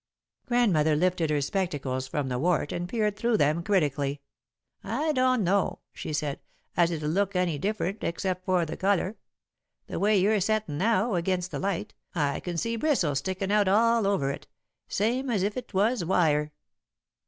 Grandmother lifted her spectacles from the wart and peered through them critically. "I dunno," she said, "as it'd look any different, except for the colour. The way you're settin' now, against the light, I can see bristles stickin' out all over it, same as if 'twas wire."